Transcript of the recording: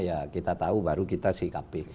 ya kita tahu baru kita sikapi